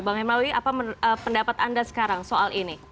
bang hemawi apa pendapat anda sekarang soal ini